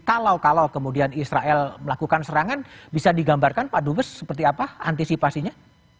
kalau kalau kemudian israel melakukan serangan bisa digambarkan pak dubes seperti apa antisipasinya